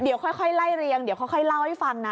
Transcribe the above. เดี๋ยวค่อยไล่เรียงเดี๋ยวค่อยเล่าให้ฟังนะ